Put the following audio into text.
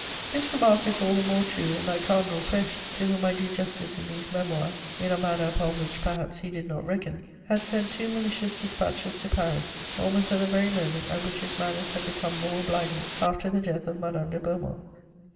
] This remark is all the more true in that Cardinal Fesch, to whom I do justice in these Memoirs in a manner upon which, perhaps, he did not reckon, had sent two malicious dispatches to Paris, almost at the very moment at which his manners had become more obliging, after the death of Madame de Beaumont.